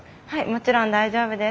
もちろん大丈夫です。